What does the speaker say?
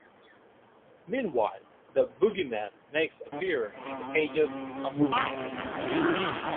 Meanwhile, "the Bogie Man" next appeared in the pages of "Toxic!